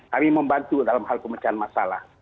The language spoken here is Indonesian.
kami membantu dalam hal pemecahan masalah